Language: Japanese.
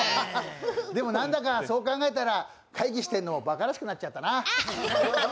でも、何だかそう考えたら、会議しているのバカらしくなっちゃったな。